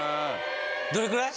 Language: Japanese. どれぐらい？